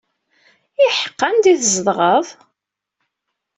Iḥeqqa, anda ay tzedɣeḍ?